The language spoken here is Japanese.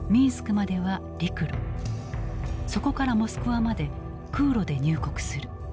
そこからモスクワまで空路で入国する。